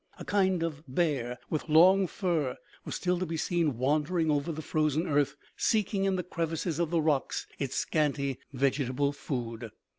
A kind of bear, with long fur, was still to be seen wandering over the frozen earth, seeking in the crevices of the rocks its scanty vegetable food.